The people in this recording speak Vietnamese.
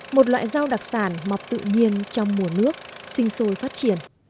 một loại rau đặc sản mọc tự nhiên trong mùa nước sinh sôi phát triển